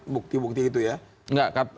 bukti bukti itu ya enggak